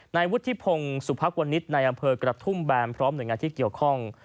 นายวุฒิพงศ์สุพักวันนี้ในอำเภอกระทุ่มแบนพร้อมหน่วยงานที่เกี่ยวข้อง